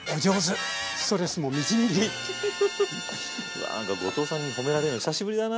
わなんか後藤さんに褒められるの久しぶりだな。